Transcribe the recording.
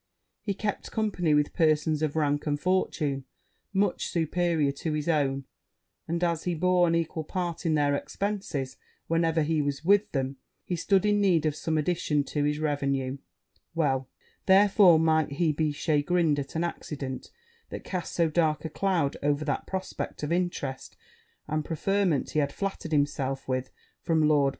He kept company with persons of rank and fortune much superior to his own; and, as he bore an equal part in their expences whenever he was with them, he stood in need of some addition to his revenue: well, therefore, might he be chagrined at an accident that cast so dark a cloud over that prospect of interest and preferment he had flattered himself with from Lord